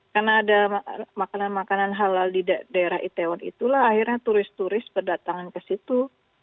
karena ada makanan makanan halal di daerah itaewon itulah akhirnya turis turis berdatangan ke situ